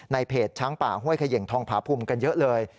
เพจช้างป่าห้วยเขย่งทองผาภูมิกันเยอะเลย